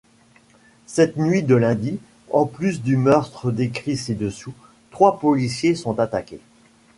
Cette nuit de lundi, en plus du meurtre décrit ci-dessous, trois policiers sont attaqués.